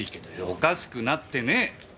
おかしくなってねえ！